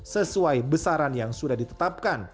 sesuai besaran yang sudah ditetapkan